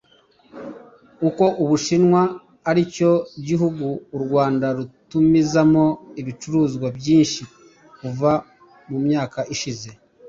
kuko u Bushinwa aricyo gihugu u Rwanda rutumizamo ibicuruzwa byinshi kuva mu myaka ishize